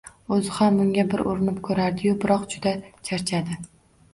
O‘zi ham bunga bir urinib ko‘rardi-yu, biroq juda charchadi.